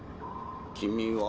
君は。